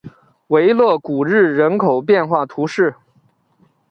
维勒古日人口变化图示